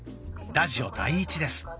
ラジオ第１です。